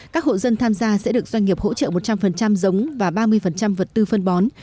các hộ dân tham gia sẽ được doanh nghiệp hỗ trợ một trăm linh giống và ba mươi vật tư phân bón